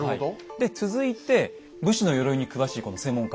で続いて武士の鎧に詳しいこの専門家